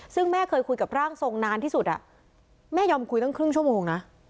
ซึ่งแม่เคยคุยกับร่างทรงนานที่สุดแม่ยอมคุยตั้งครึ่งชั่วโมงนะ